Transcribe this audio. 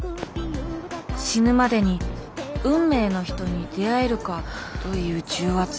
死ぬまでに「運命の人に出会えるか」という重圧。